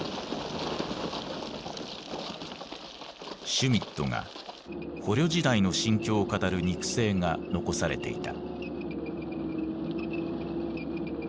シュミットが捕虜時代の心境を語る肉声が残されていた。